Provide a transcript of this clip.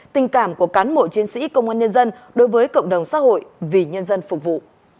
tình cảm của cán bộ chiến sĩ công an nhân dân đối với cộng đồng xã hội vì nhân dân phục vụ